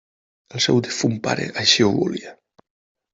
El seu difunt pare així ho volia.